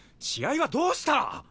試合はどうした！